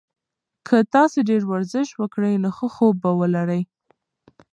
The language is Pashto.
که تاسي ډېر ورزش وکړئ نو ښه خوب به ولرئ.